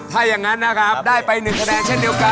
ถ้าอย่างนั้นนะครับได้ไป๑คะแนนเช่นเดียวกัน